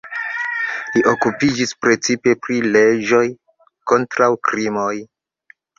Li okupiĝis precipe pri leĝoj kontraŭ krimoj.